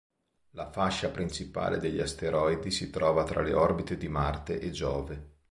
La fascia principale degli asteroidi si trova tra le orbite di Marte e Giove.